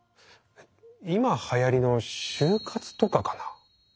今はやりの終活とかかな？